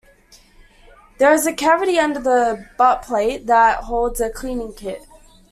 There is a cavity under the buttplate that holds a cleaning kit.